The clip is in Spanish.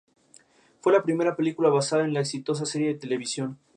La serie fue filmada en Estocolmo, Provincia de Estocolmo, Suecia.